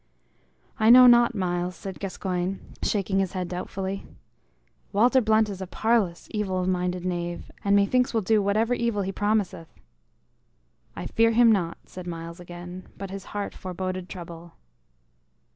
"I know not, Myles," said Gascoyne, shaking his head doubtfully. "Walter Blunt is a parlous evil minded knave, and methinks will do whatever evil he promiseth." "I fear him not," said Myles again; but his heart foreboded trouble.